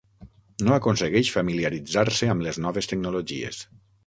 No aconsegueix familiaritzar-se amb les noves tecnologies.